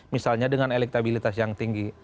misalnya dengan elektabilitas yang tinggi